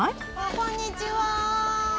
こんにちは。